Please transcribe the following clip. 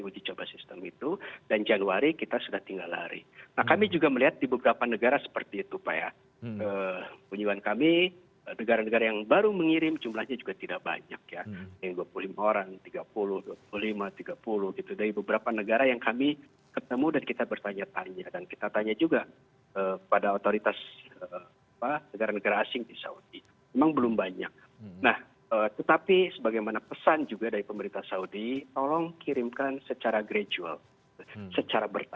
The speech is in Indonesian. jadi kira kira seperti itu pak desainnya